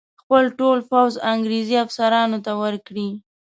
خپل ټول پوځ انګرېزي افسرانو ته ورکړي.